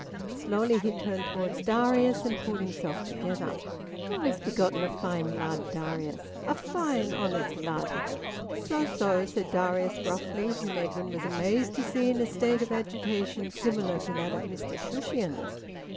Slowly he turned towards Darius, and pulled himself together. "Thou'st begotten a fine lad, Darius! ... a fine, honest lad!" "So so!" said Darius gruffly, whom Edwin was amazed to see in a state of agitation similar to that of Mr Shushions.